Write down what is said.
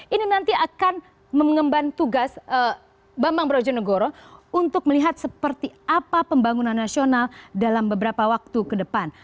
ini nanti akan mengemban tugas bambang brojonegoro untuk melihat seperti apa pembangunan nasional dalam beberapa waktu ke depan